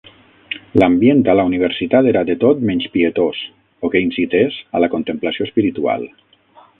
L'ambient a la universitat era de tot menys pietós o que incités a la contemplació espiritual.